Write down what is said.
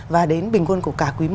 và đến bình quân của cả quý một